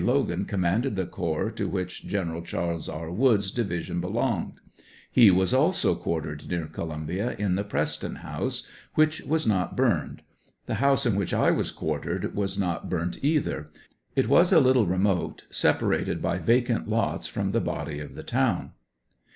Logan commanded the corps to which General Charles R. Woods' division belonged ; he was also quartered 79 near Columbia, in the PreBton House, which was not burned ; the house in which I was quartered was not burnt either ; it was a little remote, separated by vacant lots from the body of the town.